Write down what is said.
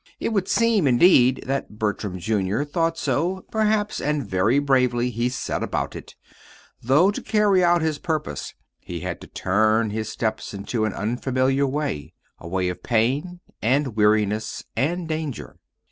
It would seem, indeed, that Bertram, Jr., thought so, perhaps, and very bravely he set about it; though, to carry out his purpose, he had to turn his steps into an unfamiliar way a way of pain, and weariness, and danger.